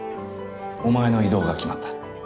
お前の異動が決まった。